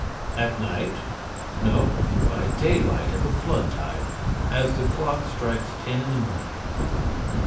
"At night?" "No, by daylight, at the flood tide, as the clock strikes ten in the morning."